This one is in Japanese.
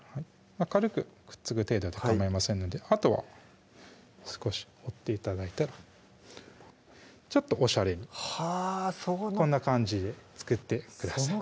軽くくっつく程度でかまいませんのであとは少し折って頂いたらちょっとおしゃれにこんな感じで作ってください